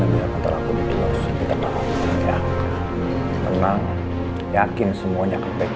tante yang akan terjadi itu harus kita tahu ya tenang yakin semuanya kebetulan ya tante yang akan terjadi itu harus kita tahu ya tenang yakin semuanya kebetulan